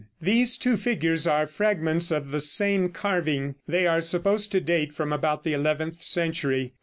These two figures are fragments of the same carving. They are supposed to date from about the eleventh century.